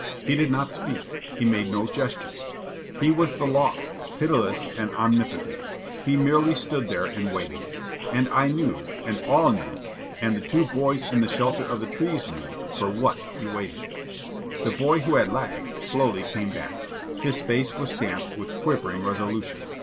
He did not speak. He made no gestures. He was the Law, pitiless and omnipotent. He merely stood there and waited. And I knew, and all knew, and the two boys in the shelter of the trees knew, for what he waited. The boy who had lagged slowly came back. His face was stamped with quivering resolution.